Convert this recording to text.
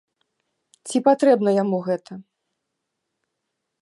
Ці патрэбна яму гэта?